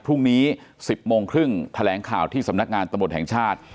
พรุ่งนี้๑๐โมงครึ่งแถลงข่าวที่สำนักงานตำรวจแห่งชาติ